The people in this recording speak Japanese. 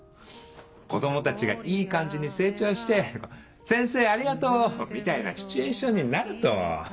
子供たちがいい感じに成長して「先生ありがとう！」みたいなシチュエーションになると。